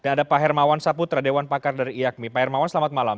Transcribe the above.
dan ada pak hermawan saputra dewan pakar dari iakmi pak hermawan selamat malam